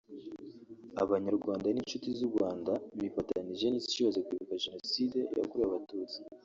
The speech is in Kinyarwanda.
Abanyarwanda n’inshuti z’u Rwanda bifatanyije n’isi yose Kwibuka Jenoside yakorewe Abatutsi